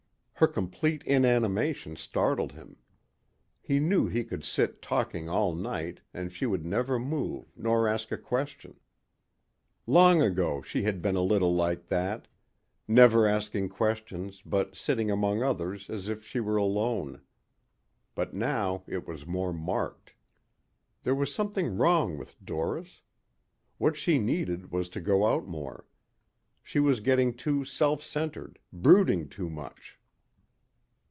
Her complete inanimation startled him. He knew he could sit talking all night and she would never move nor ask a question. Long ago she had been a little like that. Never asking questions but sitting among others as if she were alone. But now it was more marked. There was something wrong with Doris. What she needed was to go out more. She was getting too self centered, brooding too much.